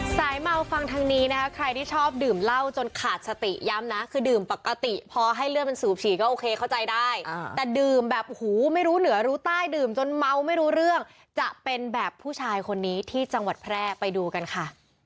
เมาฟังทางนี้นะคะใครที่ชอบดื่มเหล้าจนขาดสติย้ำนะคือดื่มปกติพอให้เลือดมันสูบฉี่ก็โอเคเข้าใจได้แต่ดื่มแบบหูไม่รู้เหนือรู้ใต้ดื่มจนเมาไม่รู้เรื่องจะเป็นแบบผู้ชายคนนี้ที่จังหวัดแพร่ไปดูกันค่ะ